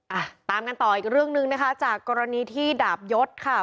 อ่ะตามกันต่ออีกเรื่องหนึ่งนะคะจากกรณีที่ดาบยศค่ะ